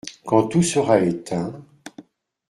Quand tout sera éteint…